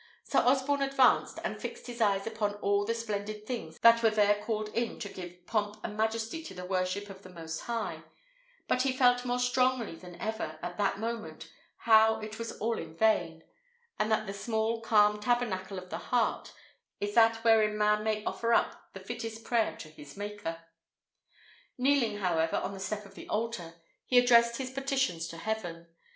Sir Osborne advanced, and fixed his eyes upon all the splendid things that were there called in to give pomp and majesty to the worship of the Most High; but he felt more strongly than ever, at that moment, how it was all in vain; and that the small, calm tabernacle of the heart is that wherein man may offer up the fittest prayer to his Maker. Kneeling, however, on the step of the altar, he addressed his petitions to heaven.